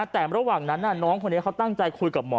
แต่ระหว่างนั้นน้องคนนี้เขาตั้งใจคุยกับหมอ